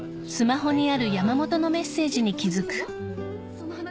その話。